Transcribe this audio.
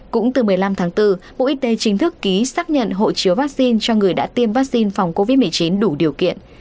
cũng từ một mươi năm tháng bốn bộ y tế chính thức ký xác nhận hộ chiếu vaccine cho người đã tiêm vaccine phòng covid một mươi chín đủ điều kiện